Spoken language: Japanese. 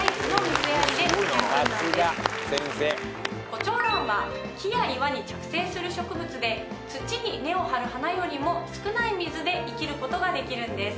コチョウランは木や岩に着生する植物で土に根を張る花よりも少ない水で生きることができるんです。